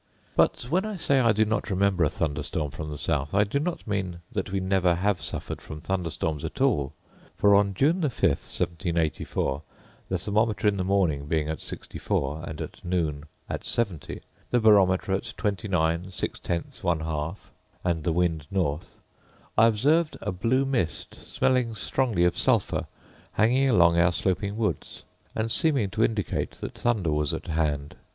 But, when I say I do not remember a thunder storm from the south, I do not mean that we never have suffered from thunder storms at all; for on June 5th, 1784, the thermometer in the morning being at 64, and at noon at 70, the barometer at 29, six tenths one half, and the wind north, I observed a blue mist, smelling strongly of sulphur, hanging along our sloping woods, and seeming to indicate that thunder was at hand.